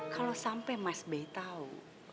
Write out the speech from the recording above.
kalau sampai mas b tau